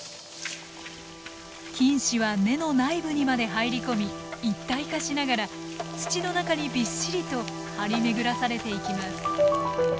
菌糸は根の内部にまで入り込み一体化しながら土の中にびっしりと張り巡らされていきます。